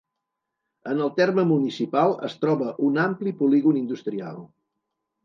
En el terme municipal es troba un ampli polígon industrial.